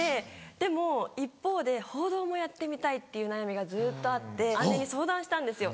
でも一方で報道もやってみたいっていう悩みがずっとあって姉に相談したんですよ。